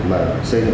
mà xây dựng